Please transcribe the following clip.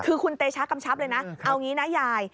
คือคุณเตชะกำชับเลยนะเอางี้นะยาย